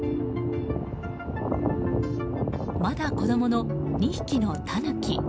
まだ子供の２匹のタヌキ。